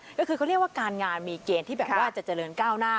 ก็คือเขาเรียกว่าการงานมีเกณฑ์ที่แบบว่าจะเจริญก้าวหน้า